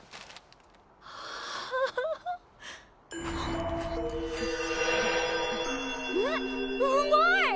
んっうまい！